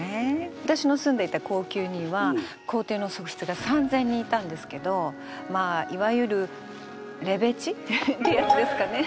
私の住んでいた後宮には皇帝の側室が３，０００人いたんですけどまあいわゆるレベチ？ってやつですかね。